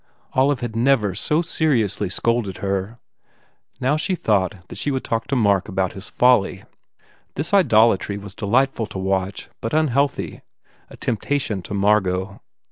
Olive had never so seriously scolded her. Now she thought that she should talk to Mark about his folly. This idolatry was delight ful to watch but unhealthy, a temptation to Margot.